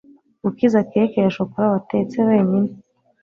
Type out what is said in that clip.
gukiza cake ya shokora watetse wenyine